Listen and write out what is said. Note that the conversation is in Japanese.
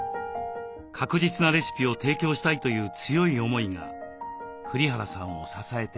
確実なレシピを提供したいという強い思いが栗原さんを支えています。